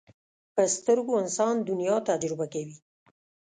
په سترګو انسان دنیا تجربه کوي